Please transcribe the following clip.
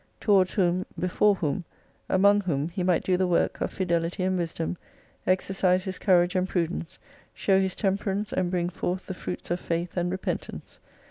Towards whom, before whom, among whom he might do the work of fidelity and wisdom, exercise his courage and prudence, show his temperance and bring forth the fruits of faith and repentance.